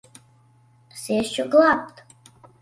Es iešu glābt!